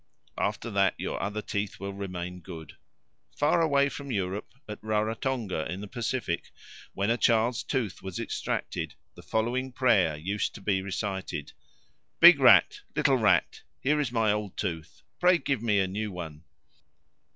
After that your other teeth will remain good. Far away from Europe, at Raratonga, in the Pacific, when a child's tooth was extracted, the following prayer used to be recited: "Big rat! little rat! Here is my old tooth. Pray give me a new one."